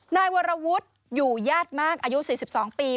นายวรวุฒิอยู่ญาติมากอายุ๔๒ปี